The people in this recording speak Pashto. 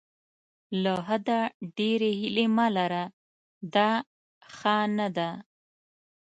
له حده ډېرې هیلې مه لره دا ښه نه ده.